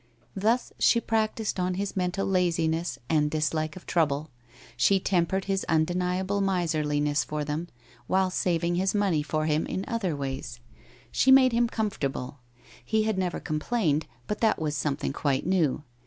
Thus she practised on his mental laziness and dislike of trouble; she tempered his undeniable miserliness for them, while saving his money for him in other ways. She made him comfortable. He had never complained, but that was some thing quite new.